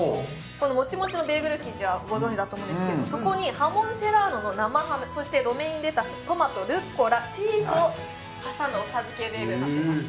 このモチモチのベーグル生地はご存じだと思うんですけれどもそこにハモンセラーノの生ハムそしてロメインレタストマトルッコラチーズを挟んだおかず系ベーグルになってます